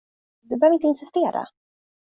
Du behöver inte insistera.